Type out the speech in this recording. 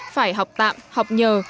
phải học tạm học nhờ